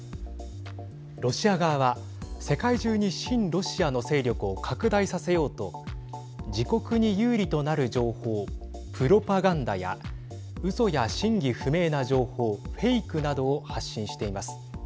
ロシア側は世界中に親ロシアの勢力を拡大させようと自国に有利となる情報プロパガンダやうそや真偽不明な情報フェイクなどを発信しています。